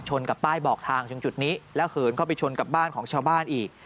กับป้ายบอกทางตรงจุดนี้แล้วเหินเข้าไปชนกับบ้านของชาวบ้านอีก